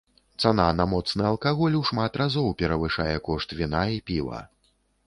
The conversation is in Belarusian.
Цана на моцны алкаголь ў шмат разоў перавышае кошт віна і піва.